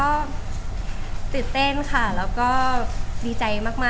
ก็ตื่นเต้นค่ะแล้วก็ดีใจมาก